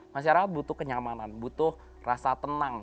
masyarakat butuh kenyamanan butuh rasa tenang